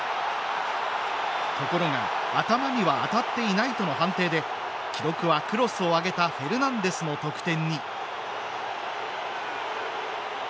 ところが、頭には当たっていないとの判定で記録はクロスを上げたフェルナンデスの得点に。